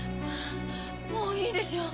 もういいでしょ？